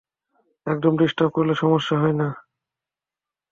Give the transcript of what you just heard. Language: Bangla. এরকম ডিস্টার্ব করলে, সমস্যা হয় না?